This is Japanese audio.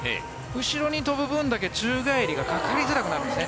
後ろに飛ぶ分だけ宙返りが抱えづらくなるんですね。